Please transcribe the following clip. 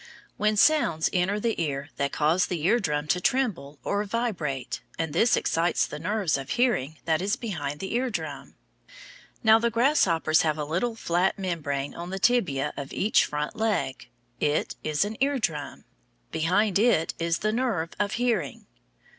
When sounds enter the ear they cause the eardrum to tremble or vibrate, and this excites the nerve of hearing that is behind the eardrum. Now some grasshoppers have a little flat membrane on the tibia of each front leg. It is an eardrum. Behind it is the nerve of hearing.